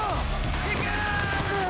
いけ！